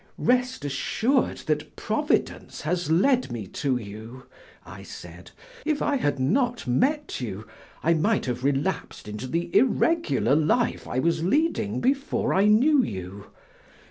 "Rest assured that Providence has led me to you," I said. "If I had not met you, I might have relapsed into the irregular life I was leading before I knew you.